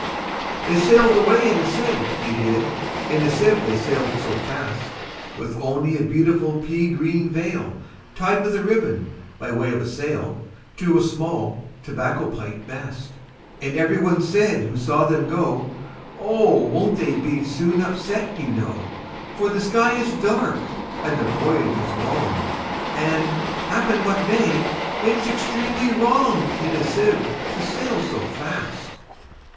They sail'd away in a sieve, they did, In a sieve they sail'd so fast, With only a beautiful pea green veilTied with a ribbon, by way of a sail, To a small tobacco pipe mast. And every one said who saw them go,"Oh! won't they be soon upset, you know:For the sky is dark, and the voyage is long; And, happen what may, it 's extremely wrongIn a sieve to sail so fast."